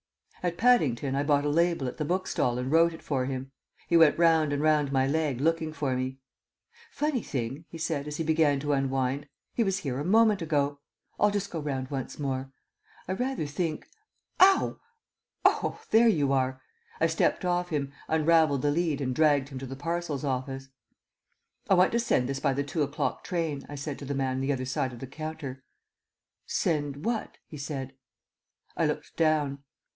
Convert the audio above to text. At Paddington I bought a label at the bookstall and wrote it for him. He went round and round my leg looking for me. "Funny thing," he said as he began to unwind, "he was here a moment ago. I'll just go round once more. I rather think ... Ow! Oh, there you are!" I stepped off him, unravelled the lead and dragged him to the Parcels Office. "I want to send this by the two o'clock train," I said to the man the other side of the counter. "Send what?" he said. I looked down.